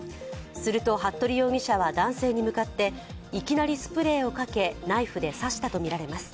すると服部容疑者は男性に向かっていきなりスプレーをかけナイフで刺したとみられます。